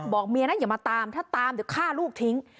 เมียนะอย่ามาตามถ้าตามเดี๋ยวฆ่าลูกทิ้ง